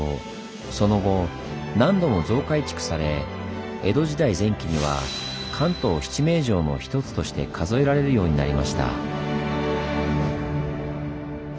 その後何度も増改築され江戸時代前期には関東七名城の一つとして数えられるようになりました。